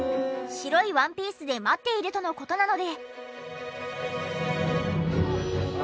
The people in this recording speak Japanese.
白いワンピースで待っているとの事なので。